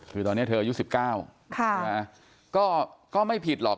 คือตอนนี้เธออายุ๑๙ก็ไม่ผิดหรอก